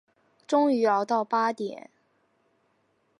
终于熬到八点